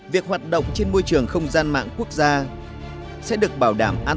việc hoạt động trên môi trường không gian mạng quốc gia